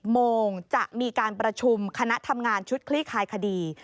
โมงจะมีการประชุมคณะทำงานชุดคลี่คลายคดี